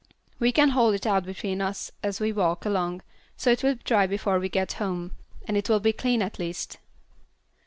We can hold it out between us as we walk along, so it will dry before we get home, and it will be clean at least."